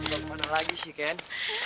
mau dibawa ke mana lagi sih ken